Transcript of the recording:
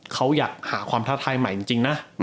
เขาอยากหาความท้าทายใหม่จริงนะ